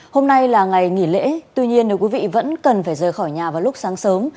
hôm nay là ngày nghỉ lễ tuy nhiên nếu quý vị vẫn cần phải rời khỏi nhà vào lúc sáng sớm